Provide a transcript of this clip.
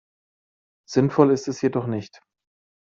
Sinnvoll ist es jedoch nicht.